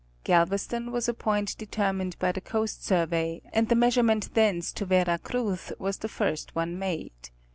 Galveston was a point deter mined by the Coast Survey, and the measurement thence to Vera Cruz was the first one made.